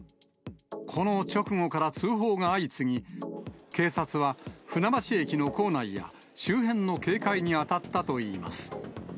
この直後から通報が相次ぎ、警察は、船橋駅の構内や周辺の警戒に当たったといいます。